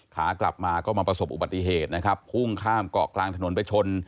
ขากลับมาก็มาประสบอุบัติเหตุนะครับพุ่งข้ามเกาะกลางถนนไปชน